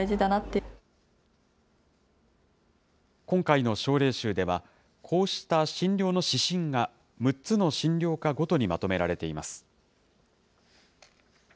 今回の症例集では、こうした診療の指針が６つの診療科ごとにまとめられています。